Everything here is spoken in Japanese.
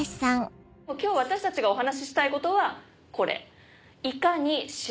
今日私たちがお話ししたいことはこれ。